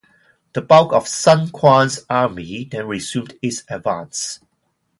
The bulk of Sun Quan's army then resumed its advance.